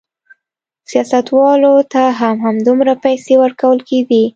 سیاستوالو ته هم همدومره پیسې ورکول کېدې.